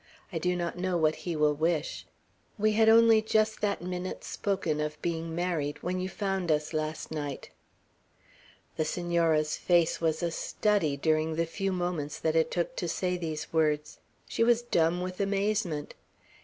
I do not know what he will wish. We had only just that minute spoken of being married, when you found us last night." The Senora's face was a study during the few moments that it took to say these words. She was dumb with amazement.